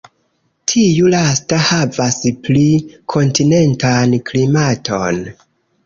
Tiu lasta havas pli kontinentan klimaton.